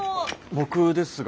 僕ですが。